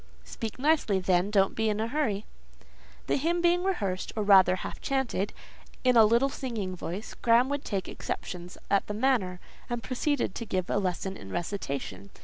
"Speak nicely, then: don't be in a hurry." The hymn being rehearsed, or rather half chanted, in a little singing voice, Graham would take exceptions at the manner, and proceed to give a lesson in recitation.